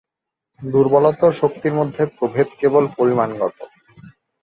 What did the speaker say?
দুর্বলতা ও শক্তির মধ্যে প্রভেদ কেবল পরিমাণগত।